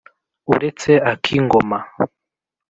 uretse ak'ingoma